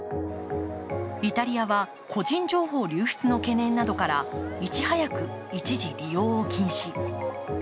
イタリアは個人情報流出の懸念などからいち早く一時利用を禁止。